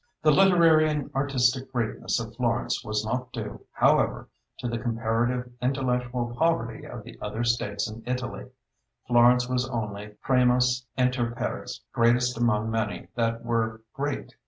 The literary and artistic greatness of Florence was not due, however, to the comparative intellectual poverty of the other states in Italy. Florence was only primus inter pares greatest among many that were great.